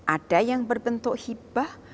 ada yang berbentuk hibah